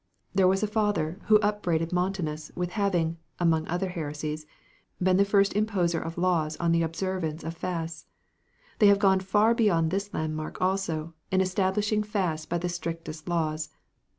There was a father who upbraided Montanus with having, among other heresies, been the first imposer of laws for the observance of fasts. They have gone far beyond this landmark also, in establishing fasts by the strictest laws.